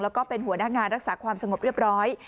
แล้วก็เป็นหัวหน้างานรักษาความสงบเรียบร้อย